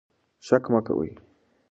شک مه کوئ.